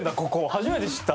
初めて知った。